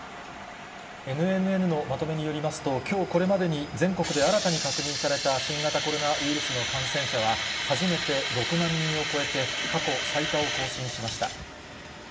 ＮＮＮのまとめによりますと、きょうこれまでに全国で新たに確認された新型コロナウイルスの感染者は、初めて６万人を超えて、過去最多を更新しました。